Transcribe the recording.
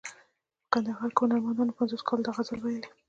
په کندهار کې هنرمندانو پنځوس کاله دا غزل ویلی.